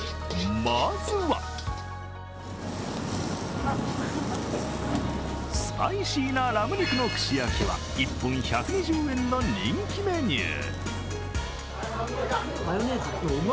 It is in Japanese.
まずはスパイシーなラム肉の串焼きは１本１２０円の人気メニュー。